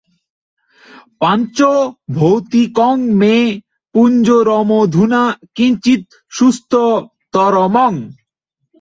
পাঞ্চভৌতিকং মে পিঞ্জরমধুনা কিঞ্চিৎ সুস্থতরম্।